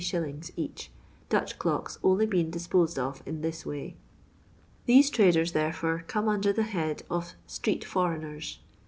each, Dutch clocks only been disposed of in this way. These traders, therefore, come under the head of STUtST FoRiioNBaa.